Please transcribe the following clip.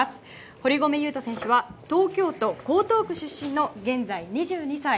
堀米雄斗選手は東京都江東区出身の現在２２歳。